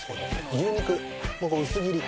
牛肉の薄切り。